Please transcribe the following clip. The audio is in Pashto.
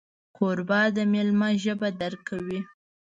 کوربه د میلمه ژبه درک کوي.